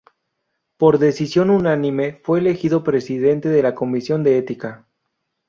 Por decisión unánime, fue elegido presidente de la Comisión de Ética.